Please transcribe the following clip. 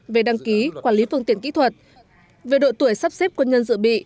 về đăng ký quản lý phương tiện kỹ thuật về độ tuổi sắp xếp quân nhân dự bị